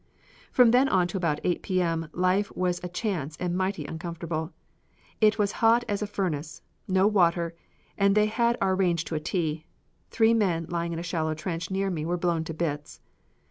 From then on to about 8 P. M. life was a chance and mighty uncomfortable. It was hot as a furnace, no water, and they had our range to a "T." Three men lying in a shallow trench near me were blown to bits.